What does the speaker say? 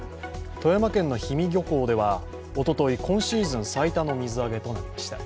富山県の氷見漁港ではおととい、今シーズン最多の水揚げとなりました。